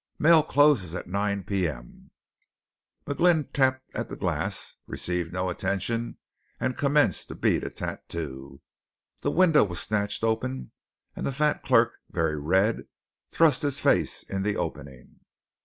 "Mails close at 9 P.M." McGlynn tapped at the glass, received no attention, and commenced to beat a tattoo. The window was snatched open, and the fat clerk, very red, thrust his face in the opening.